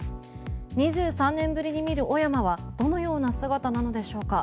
２３年ぶりに見る雄山はどのような姿なのでしょうか？